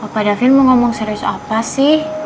pak davin mau ngomong serius apa sih